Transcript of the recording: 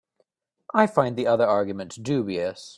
I find the other argument dubious.